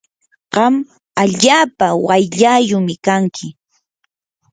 qam allaapa wayllaayumi kanki.